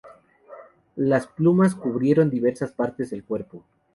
Las plumas cubrieron diversas partes del cuerpo.